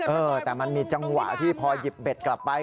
เออแต่มันมีจังหวะที่พอหยิบเบ็ดกลับไป